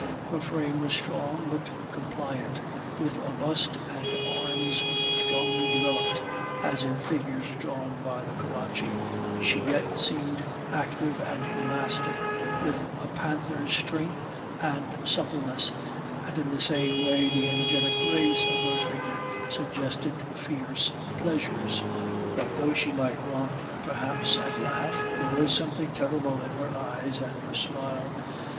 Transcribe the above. Her frame was strong but compliant; with a bust and arms strongly developed, as in figures drawn by the Caracci, she yet seemed active and elastic, with a panther's strength and suppleness, and in the same way the energetic grace of her figure suggested fierce pleasures. But though she might romp perhaps and laugh, there was something terrible in her eyes and her smile.